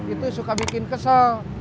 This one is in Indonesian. itu suka bikin kesel